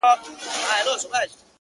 وړونه مي ټول د ژوند پر بام ناست دي ـ